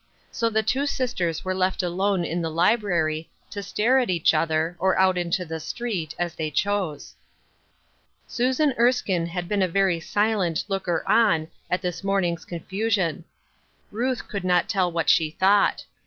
So the two •sistei s were left alone in the library, to stare at each other, or out into the street, as they chose. Susan Erskine had been a very silent looker on at this morning's confusion Ruth could not tell what she thouaiht.